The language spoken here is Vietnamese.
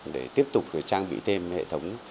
để tiếp tục trang bị thêm hệ thống